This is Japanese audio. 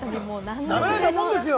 なめられたもんですよ！